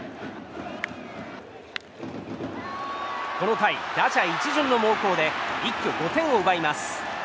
この回、打者一巡の猛攻で一挙５点を奪います。